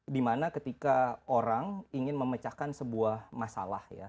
dimana ketika orang ingin memecahkan sebuah masalah ya